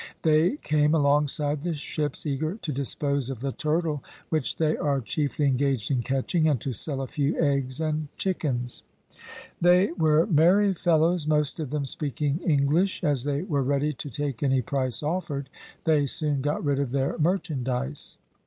They came alongside the ships, eager to dispose of the turtle which they are chiefly engaged in catching, and to sell a few eggs and chickens. They were merry fellows, most of them speaking English; as they were ready to take any price offered, they soon got rid of their merchandise.